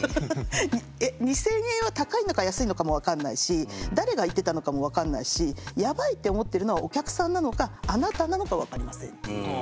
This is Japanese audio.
２，０００円は高いのか安いのかも分かんないし誰が言ってたのかも分かんないしやばいって思ってるのはお客さんなのかあなたなのか分かりませんっていう。